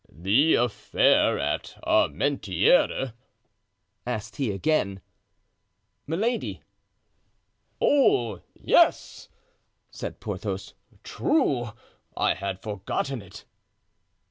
"The affair at Armentieres?" asked he again. "Milady." "Oh, yes!" said Porthos; "true, I had forgotten it!"